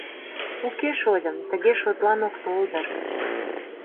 — Уке, шольым, тыге шотлан ок тол дыр.